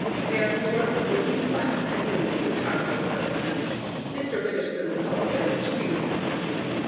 They are floored with wooden slats and roofed with tar paper. (Mr. Witherspoon calls them chicken coops.)